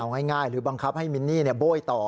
เอาง่ายหรือบังคับให้มินนี่โบ้ยต่อ